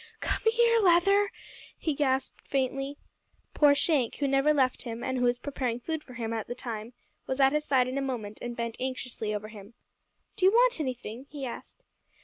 "Come here, Leather," he gasped faintly. Poor Shank, who never left him, and who was preparing food for him at the time, was at his side in a moment, and bent anxiously over him. "D'you want anything?" he asked.